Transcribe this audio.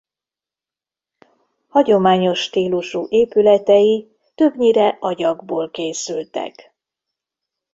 Hagyományos stílusú épületei többnyire agyagból készültek.